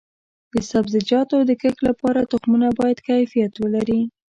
د سبزیجاتو د کښت لپاره تخمونه باید کیفیت ولري.